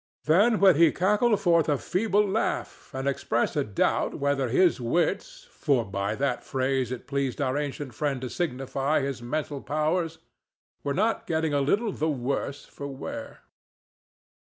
Then would he cackle forth a feeble laugh and express a doubt whether his wits—for by that phrase it pleased our ancient friend to signify his mental powers—were not getting a little the worse for wear.